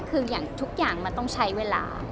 คืออย่างทุกอย่างมันต้องใช้เวลา